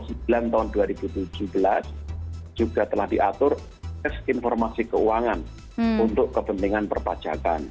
pada tahun sembilan tahun dua ribu tujuh belas juga telah diatur tes informasi keuangan untuk kepentingan perpajakan